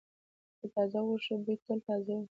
د تازه غوښې بوی تل تازه وي.